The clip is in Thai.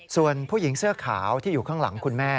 ส่วนผู้หญิงเสื้อขาวที่อยู่ข้างหลังคุณแม่